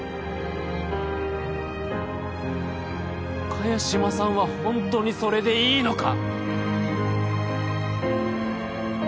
萱島さんはホントにそれでいいのか？